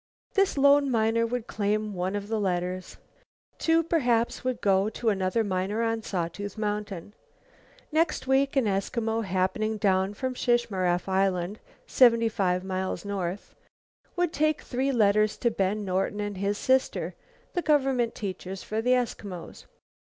This lone miner would claim one of the letters. Two, perhaps, would go to another miner on Saw Tooth Mountain. Next week, an Eskimo happening down from Shishmaref Island, seventy five miles north, would take three letters to Ben Norton and his sister, the government teachers for the Eskimos.